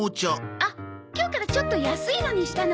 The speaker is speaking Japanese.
あっ今日からちょっと安いのにしたの。